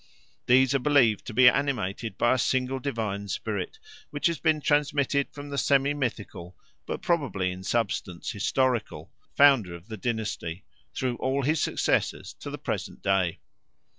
These are believed to be animated by a single divine spirit, which has been transmitted from the semi mythical, but probably in substance historical, founder of the dynasty through all his successors to the present day.